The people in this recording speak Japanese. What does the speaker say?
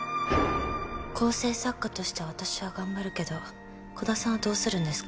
構成作家として私は頑張るけど鼓田さんはどうするんですか？